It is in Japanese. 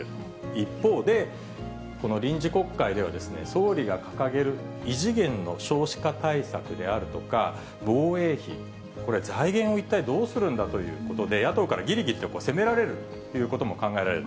一方で、臨時国会では総理が掲げる異次元の少子化対策であるとか、防衛費、これ財源を一体どうするんだということで、野党からぎりぎりと攻められるということも考えられる。